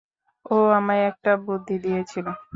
ও আমায় একটা বুদ্ধি দিয়েছিল।